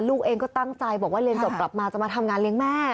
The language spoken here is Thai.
ลูกเองก็ตั้งใจบอกว่าเรียนจบกลับมาจะมาทำงานเลี้ยงแม่